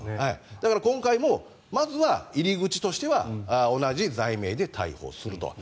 だから、今回もまずは入り口としては同じ罪名で逮捕すると。